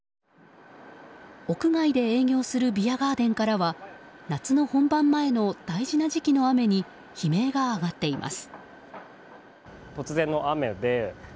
屋外で営業するビアガーデンからは夏の本番前の大事な時期の雨に悲鳴が上がっています。